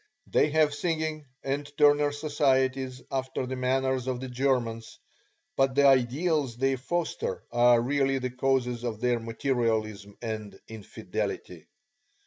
They have singing and Turner societies after the manner of the Germans, but the ideals they foster are really the causes of their materialism and infidelity.